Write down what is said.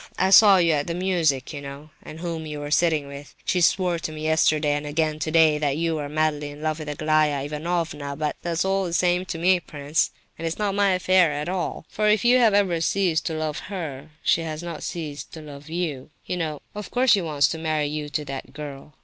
I saw you at the music, you know, and whom you were sitting with. She swore to me yesterday, and again today, that you are madly in love with Aglaya Ivanovna. But that's all the same to me, prince, and it's not my affair at all; for if you have ceased to love her, she has not ceased to love you. You know, of course, that she wants to marry you to that girl?